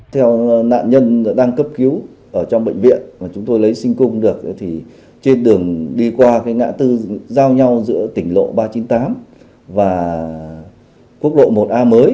theo nạn nhân đang cấp cứu ở trong bệnh viện mà chúng tôi lấy sinh cung được thì trên đường đi qua ngã tư giao nhau giữa tỉnh lộ ba trăm chín mươi tám và quốc lộ một a mới